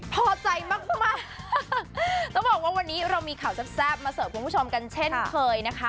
พอใจมากมากต้องบอกว่าวันนี้เรามีข่าวแซ่บมาเสิร์ฟคุณผู้ชมกันเช่นเคยนะคะ